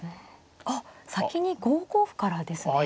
あっ先に５五歩からですね。